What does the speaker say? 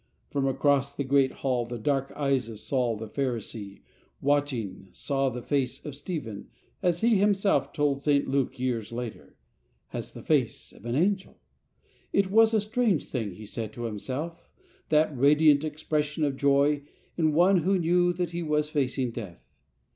From across the great hall the dark eyes of Saul the Pharisee, watching, saw the face of Stephen, as he himself told St. Luke years later, " as the face of an angel." It was a strange thing, he said to himself, that radiant expression of joy in one who knew that he was facing death.